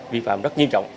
vi phạm rất nghiêm trọng